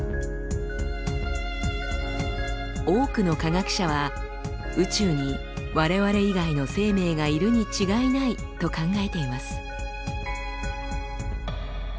多くの科学者は宇宙に我々以外の生命がいるに違いないと考えています。